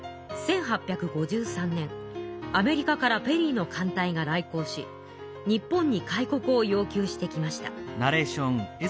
アメリカからペリーの艦隊が来航し日本に開国を要求してきました。